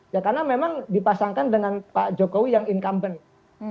ya karena memang dipasangkan dengan pak jokowi yang incumbent